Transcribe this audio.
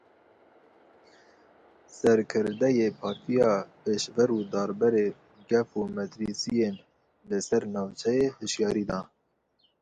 Serkirdeyê Partiya Pêşverû derbarê gef û metirsiyên li ser navçeyê hişyarî da.